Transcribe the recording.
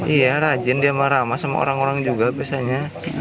iya rajin dia marah sama orang orang juga biasanya